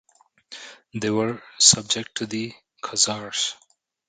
They were subject to the Khazars.